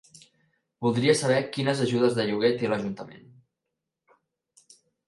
Voldria saber quines ajudes de lloguer té l'Ajuntament.